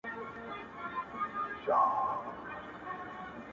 او ترینه تللي دې